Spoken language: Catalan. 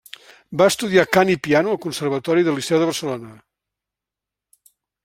Va estudiar cant i piano al Conservatori del Liceu de Barcelona.